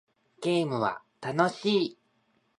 ゲームは楽しい